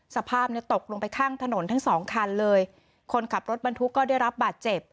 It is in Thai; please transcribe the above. สภาพเนี่ยตกลงไปข้างถนนทั้งสองคันเลยคนขับรถบรรทุกก็ได้รับบาดเจ็บ